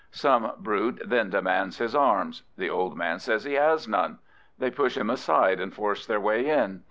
Some brute then demands his arms; the old man says he has none. They push him aside and force their way in.